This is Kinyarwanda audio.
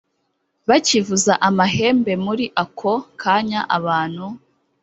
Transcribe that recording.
bakivuza amahembe muri ako kanya abantu